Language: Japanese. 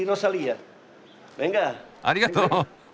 ありがとう！